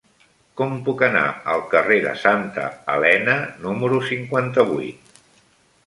Com puc anar al carrer de Santa Elena número cinquanta-vuit?